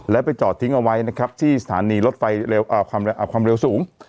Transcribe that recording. และไปจอดทิ้งเอาไว้นะครับที่สถานีรถไฟความเร็วสูง